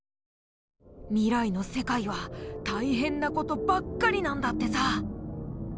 みらいのせかいはたいへんなことばっかりなんだってさ。